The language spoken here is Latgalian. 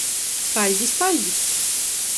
Paļdis, paļdis!